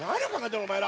お前ら。